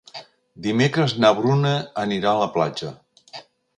Dimecres na Bruna anirà a la platja.